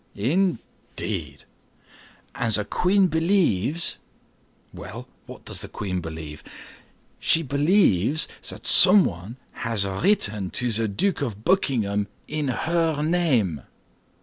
"Indeed!" "And the queen believes—" "Well, what does the queen believe?" "She believes that someone has written to the Duke of Buckingham in her name."